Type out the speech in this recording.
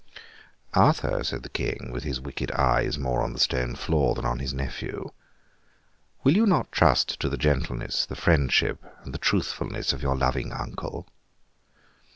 'Arthur,' said the King, with his wicked eyes more on the stone floor than on his nephew, 'will you not trust to the gentleness, the friendship, and the truthfulness of your loving uncle?